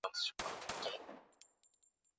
watu wote wana haki ya kupata huduma nzuri za afya